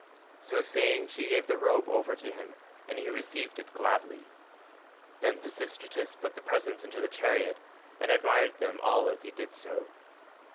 So saying she gave the robe over to him and he received it gladly. Then Pisistratus put the presents into the chariot, and admired them all as he did so.